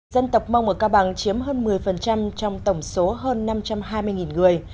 dân tộc mông ở cao bằng chiếm hơn một mươi trong tổng số hơn năm trăm hai mươi người